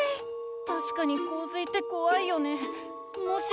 たしかにこう水ってこわいよね。